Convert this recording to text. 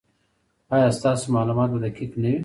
ایا ستاسو معلومات به دقیق نه وي؟